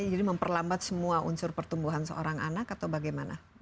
jadi memperlambat semua unsur pertumbuhan seorang anak atau bagaimana